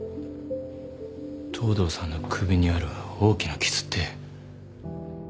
東堂さんの首にある大きな傷って。